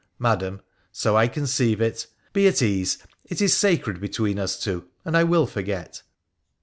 ' Madam, so I conceive it. Be at ease : it is sacred be tween us two, and I will forget.'